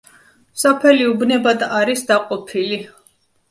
სოფელი უბნებად არის დაყოფილი.